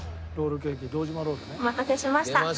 お待たせしました。